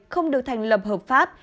không được thành lập hợp pháp